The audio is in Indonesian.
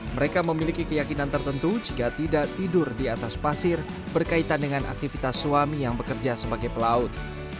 mereka memiliki keyakinan tertentu jika tidak tidur di atas pasir berkaitan dengan aktivitas suami yang bekerja sebagai pelaut